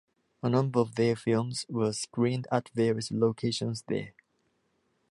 A number of their films were screened at various locations there.